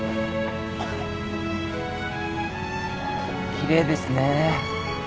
きれいですねえ。